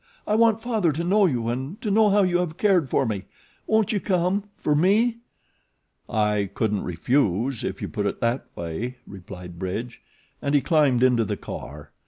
"I want Father to know you and to know how you have cared for me. Won't you come for me?" "I couldn't refuse, if you put it that way," replied Bridge; and he climbed into the car.